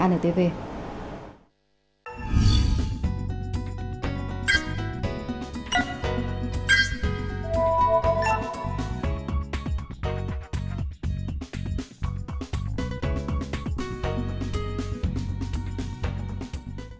cảm ơn quý vị đã theo dõi và hẹn gặp lại